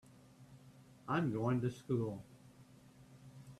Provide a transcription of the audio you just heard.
I'm going to school.